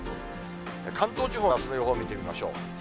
関東地方のあすの予報見てみましょう。